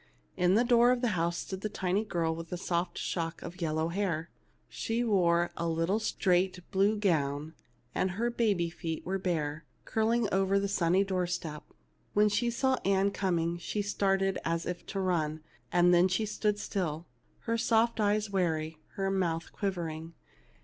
In the door of the house stood a tiny girl with a soft shock of yellow hair. She wore a little straight blue gown, and her baby feet were bare, curling over the sunny door step. When she saw Ann coming she started as if to run ; then she stood still, her soft eyes wary, her mouth quiv ering.